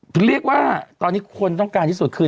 เรียกว่าตอนนี้คนต้องการที่สุดคือ